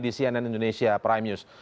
di cnn indonesia prime news